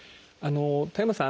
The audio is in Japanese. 田山さん